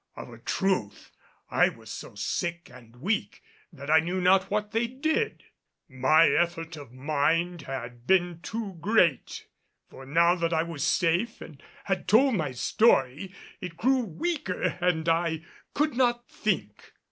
Of a truth, I was so sick and weak that I knew not what they did. My effort of mind had been too great, for now that I was safe and had told my story, it grew weaker and I could not think.